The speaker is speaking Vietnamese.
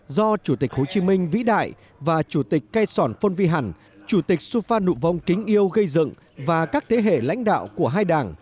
do chủ tịch hồ chí minh vĩ đại và chủ tịch cây sòn phôn vi hẳn chủ tịch su phan nụ vông kính yêu gây dựng và các thế hệ lãnh đạo của hai đảng